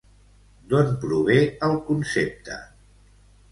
D'on prové el concepte?